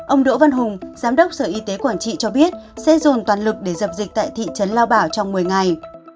ông đỗ văn hùng giám đốc sở y tế quảng trị cho biết sẽ dồn toàn lực để dập dịch tại thị trấn lao bảo trong một mươi ngày